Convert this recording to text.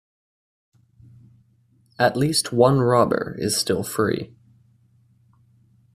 At least one robber is still free.